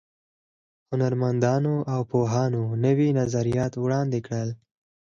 هنرمندانو او پوهانو نوي نظریات وړاندې کړل.